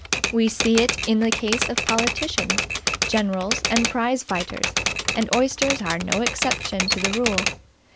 We see it in the case of politicians, generals and prize fighters; and oysters are no exception to the rule.